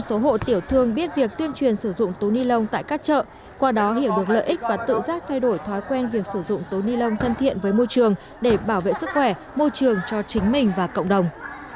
một số hộ tiểu thương biết việc tuyên truyền sử dụng túi ni lông tại các chợ qua đó hiểu được lợi ích và tự giác thay đổi thói quen việc sử dụng túi ni lông thân thiện với môi trường để bảo vệ sức khỏe môi trường cho chính mình và cộng đồng